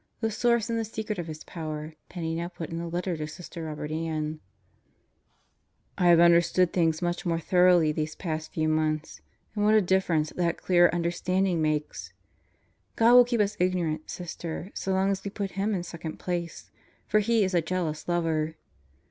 The source and the secret of his power Penney now put in a letter to Sister Robert Ann: I have understood things much more thoroughly these past few months. And what a difference that clearer understanding makes 1 God will keep us ignorant, Sister, so long as we put Him in second place; for He is a jealous Lover!